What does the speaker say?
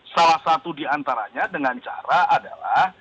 salah satu diantaranya dengan cara adalah